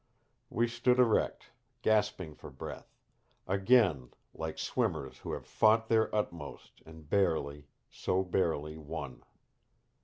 We stood erect, gasping for breath, again like swimmers who have fought their utmost and barely, so barely, won.